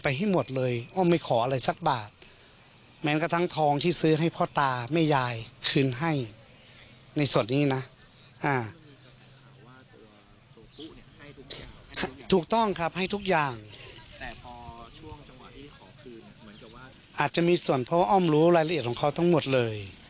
อาจจะมีส่วนเพราะอ้อมรู้รายละเอียดของเขาทั้งหมดเลย